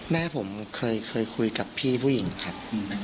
แม่ผมเคยคุยกับพี่ผู้หญิงครับ